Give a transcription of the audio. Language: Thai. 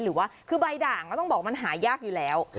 หรือว่าคือใบด่างก็ต้องบอกมันหายากอยู่แล้ว